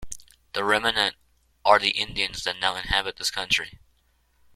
The remnant are the Indians that now inhabit this country.